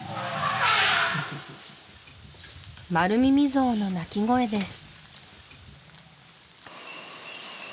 マルミミゾウの鳴き声です